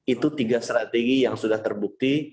itu tiga strategi yang sudah terbukti